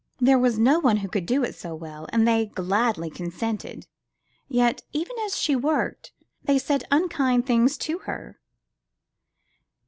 There was no one who could do it so well, and they gladly consented. Yet, even as she worked, they said unkind things to her.